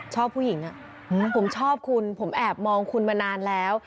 ชอบผู้หญิงผมชอบคุณผมแอบมองคุณมานานแล้ว